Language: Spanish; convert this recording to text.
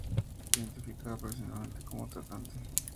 Se identificaba profesionalmente como "tratante".